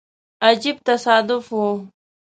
عجیب تصادف وو.